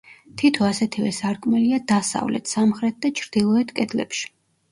თითო ასეთივე სარკმელია დასავლეთ, სამხრეთ და ჩრდილოეთ კედლებში.